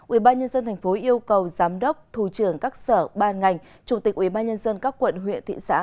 ubnd tp yêu cầu giám đốc thủ trưởng các sở ban ngành chủ tịch ubnd các quận huyện thị xã